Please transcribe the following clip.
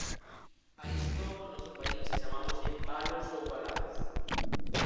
A isto, no noso país, chamámoslle valos ou valados.